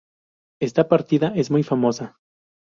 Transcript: Esta partida es muy famosa.